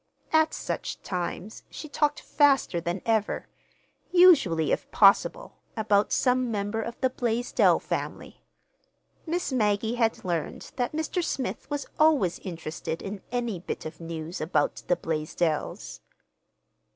At such times she talked faster than ever—usually, if possible, about some member of the Blaisdell family: Miss Maggie had learned that Mr. Smith was always interested in any bit of news about the Blaisdells.